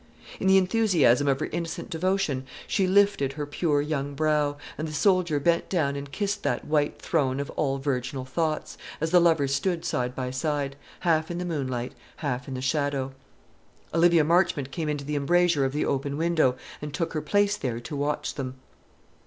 In the enthusiasm of her innocent devotion, she lifted her pure young brow, and the soldier bent down and kissed that white throne of all virginal thoughts, as the lovers stood side by side; half in the moonlight, half in the shadow. Olivia Marchmont came into the embrasure of the open window, and took her place there to watch them.